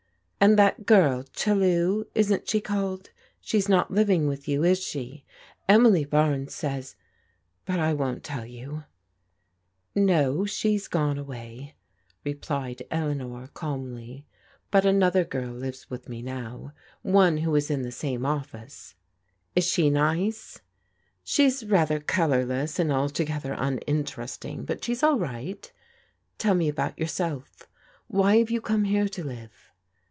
" And that girl, Chellew isn't she called?— she's not liv ing with you, is she? Emily Barnes says But I won't tell you." 305 a06 PBODIGAL DAUGHTERS " No ; she's gcme away/' replied Eleanor calmly. " Bttt another giri lives with me now— one who is in the same ft IS snc nice r " •*Is she nice? She's rather colourless, and altogether tminteresting, but she's all right Tell me about yoursdf . Why have jrou come here to live?